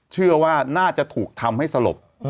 เชื่อว่าน่าจะถูกทำให้สลบ